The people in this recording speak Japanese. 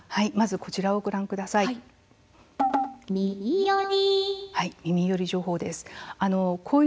こちらをご覧ください。